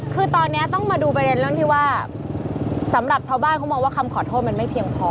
คือตอนนี้ต้องมาดูประเด็นเรื่องที่ว่าสำหรับชาวบ้านเขามองว่าคำขอโทษมันไม่เพียงพอ